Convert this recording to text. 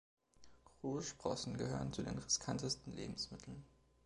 Rohe Sprossen gehören zu den riskantesten Lebensmitteln.